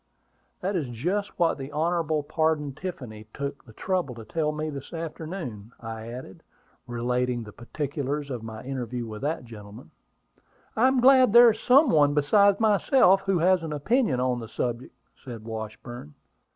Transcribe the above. "That is just what the Hon. Pardon Tiffany took the trouble to tell me this afternoon," I added, relating the particulars of my interview with that gentleman. "I am glad there is some one besides myself who has an opinion on the subject," said Washburn.